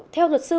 theo luật sư